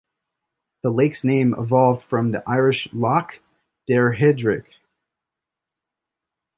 The lake's name evolved from the Irish "Loch Deirgdheirc".